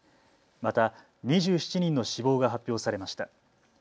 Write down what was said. また２７人の死亡が発表されました。